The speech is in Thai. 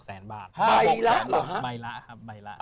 ๕๖แสนบาทใบละครับ